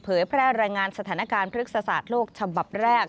แพร่รายงานสถานการณ์พฤกษศาสตร์โลกฉบับแรก